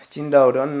trên đầu đó